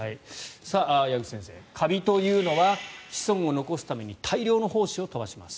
矢口先生、カビというのは子孫を残すために大量の胞子を飛ばします。